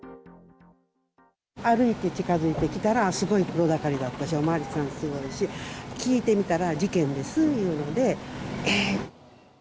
歩いて近づいてきたら、すごい人だかりだったし、お巡りさんすごいし、聞いてみたら、事件ですいうので、えーって。